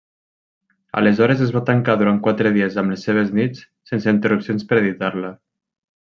Aleshores es va tancar durant quatre dies amb les seves nits sense interrupcions per editar-la.